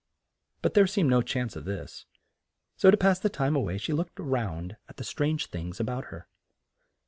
But there seemed no chance of this, so to pass the time a way she looked round at the strange things a bout her.